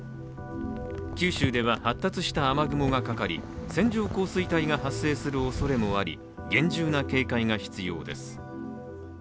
九州では発達した雨雲がかかり線状降水帯が発生するおそれもあり厳重な警戒が必要です。